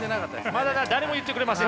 まだ誰も言ってくれません。